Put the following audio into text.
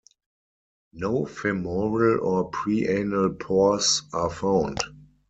No femoral or preanal pores are found.